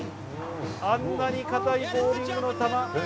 あんなに硬いボーリングの球！